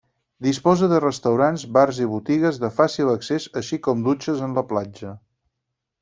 Disposa de restaurants, bars i botigues de fàcil accés així com dutxes en la platja.